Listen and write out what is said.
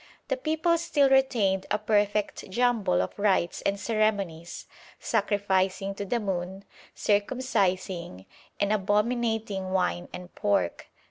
'The people still retained a perfect jumble of rites and ceremonies, sacrificing to the moon, circumcising, and abominating wine and pork.